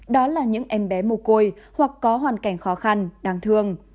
đó là những em bé mồ côi hoặc có hoàn cảnh khó khăn đang thương